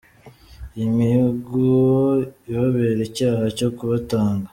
Iyo mihigo ibabera icyaha cyo kubatanga.